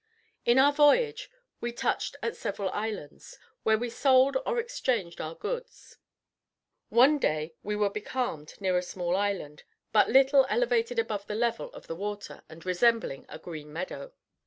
In our voyage we touched at several islands, where we sold or exchanged our goods. One day we were becalmed near a small island, but little elevated above the level of the water, and resembling a green meadow.